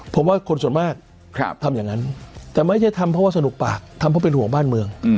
ผมว่าคนส่วนมากทำอย่างนั้นแต่ไม่ใช่ทำเพราะว่าสนุกปากทำเพราะเป็นห่วงบ้านเมือง